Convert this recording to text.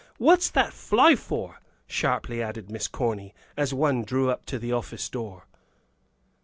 What's that fly for?" sharply added Miss Corny, as one drew up to the office door.